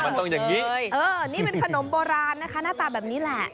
มันต้องอย่างนี้นี่เป็นขนมโบราณนะคะหน้าตาแบบนี้แหละ